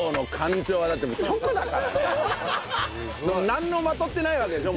何もまとってないわけでしょ？